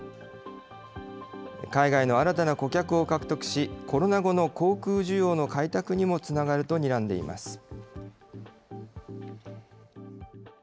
海外の新たな顧客を獲得し、コロナ後の航空需要の開拓にもつながるとにらんでいます。